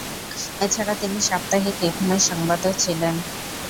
এছাড়া তিনি সাপ্তাহিক ‘এখন’ এর সম্পাদক ছিলেন।